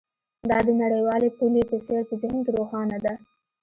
دا د نړیوالې پولې په څیر په ذهن کې روښانه ده